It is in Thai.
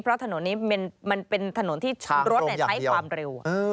เพราะถนนนี้มันเป็นถนนที่รถใช้ความเร็ว